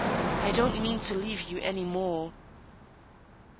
... I don't mean to leave you any more."